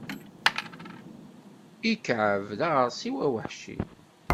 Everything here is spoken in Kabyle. Ikεeb d aɣersiw aweḥci.